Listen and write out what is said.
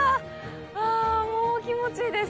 あ、もう気持ちいいです。